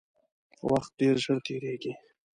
وخت ډیر ژر تیریږي